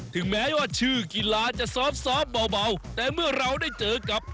ถึงแม้ว่าชื่อกีฬาจะซ้อมเบาแต่เมื่อเราได้เจอกับ